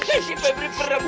si pebri perempuan